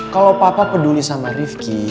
kalau papa peduli sama rifki